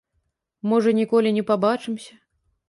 Можа, ніколі не пабачымся.